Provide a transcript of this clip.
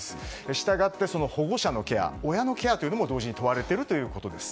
従って、保護者のケア親のケアも同時に問われているということです。